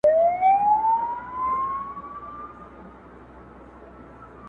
هره ورځ لکه لېندۍ پر ملا کږېږم؛